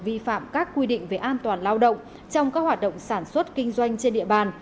vi phạm các quy định về an toàn lao động trong các hoạt động sản xuất kinh doanh trên địa bàn